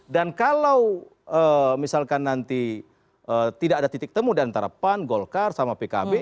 dan kalau misalkan nanti tidak ada titik temu diantara pan golkar sama pkb